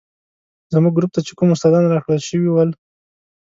زموږ ګروپ ته چې کوم استادان راکړل شوي ول.